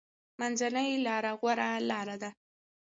منځنۍ لاره غوره لاره ده.